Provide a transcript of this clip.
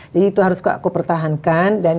jadi itu harus aku pertahankan dan